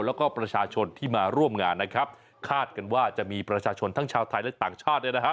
แล้วก็ประชาชนที่มาร่วมงานนะครับคาดกันว่าจะมีประชาชนทั้งชาวไทยและต่างชาติเนี่ยนะฮะ